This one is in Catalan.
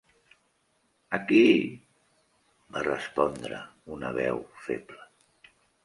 "Aquí!", va respondre una veu feble.